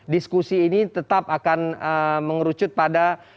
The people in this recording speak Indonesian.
diskusi ini tetap akan mengerucut pada